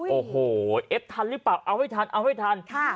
โอ้โหเอ็ดทันรึเปล่าเอาให้ทัน